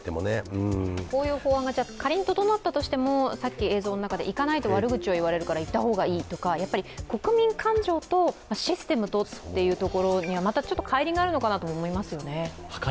こういう法案が仮にあったとしても行かないと悪口を言われるから行った方がいいとか、国民感情とシステムというところにはかい離があるのかなと思いますよね。